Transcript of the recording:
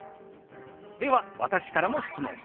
では私からも質問。